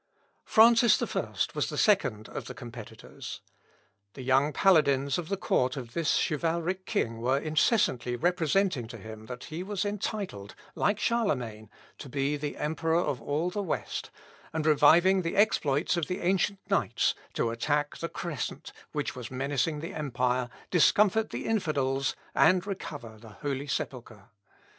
Francis I was the second of the competitors. The young paladins of the court of this chivalric king were incessantly representing to him that he was entitled, like Charlemagne, to be the emperor of all the West, and reviving the exploits of the ancient knights, to attack the crescent which was menacing the empire, discomfit the infidels, and recover the holy sepulchre.